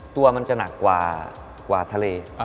ตัวมันจะหนักกว่าทะเล